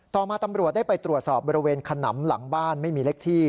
ต่อมาตำรวจได้ไปตรวจสอบบริเวณขนำหลังบ้านไม่มีเล็กที่